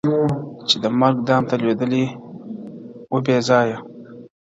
• چي د مرګ دام ته لوېدلې وه بېځایه -